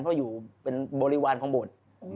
เพราะอยู่เป็นบริวารของโบสถ์